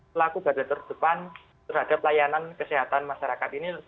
pelaku gada terdepan terhadap layanan kesehatan masyarakat ini